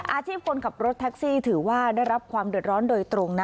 คนขับรถแท็กซี่ถือว่าได้รับความเดือดร้อนโดยตรงนะ